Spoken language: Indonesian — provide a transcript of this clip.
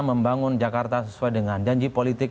membangun jakarta sesuai dengan janji politik